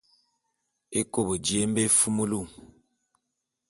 Ékop jé e mbe éfumulu.